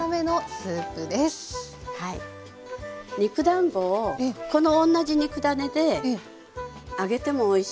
肉だんごをこの同じ肉ダネで揚げてもおいしいの。